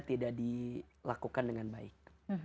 tidak dilakukan dengan baik